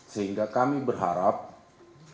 sehingga kami berharap kerjasama serta bantuan dari masyarakat